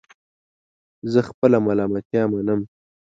زه خپل ملامتیا منم